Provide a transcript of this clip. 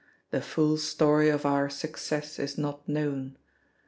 The full story of Our success is not known.